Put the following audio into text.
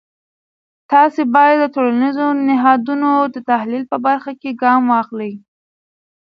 تاسې باید د ټولنیزو نهادونو د تحلیل په برخه کې ګام واخلی.